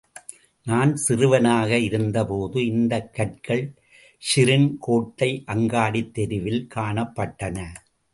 நான் சிறுவனாக இருந்தபோது இந்தக் கற்கள் ஷிரின் கோட்டை அங்காடித் தெருவில் காணப்பட்டன.